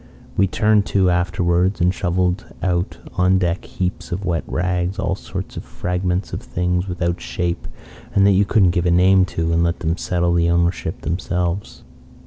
We turned to afterwards, and shovelled out on deck heaps of wet rags, all sorts of fragments of things without shape, and that you couldn't give a name to, and let them settle the ownership themselves.